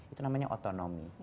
itu namanya otonomi